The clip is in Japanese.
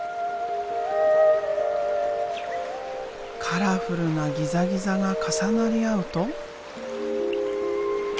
カラフルなギザギザが重なり合うと。